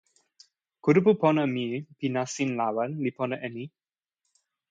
kulupu pona mi pi nasin lawa li pona e ni.